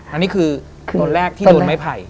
อันนี้คือตอนแรกที่โดนไม้ไผ่